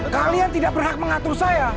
kalian tidak berhak mengatur saya